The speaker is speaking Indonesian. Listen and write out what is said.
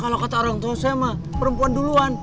kalau kata orang tua saya sama perempuan duluan